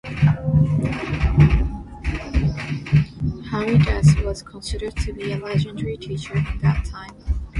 Haridas was considered to be a legendary teacher in that time.